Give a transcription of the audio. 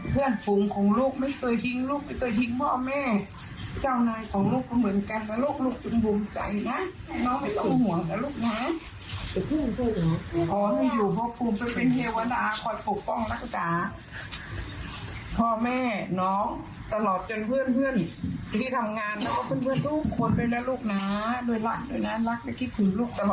เพื่อนสนิทของพุ่มกับเบิ้มเดินทางมาเพื่อร่วมพิธีเก็บอัฐิบาล